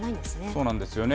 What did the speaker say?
そうなんですよね。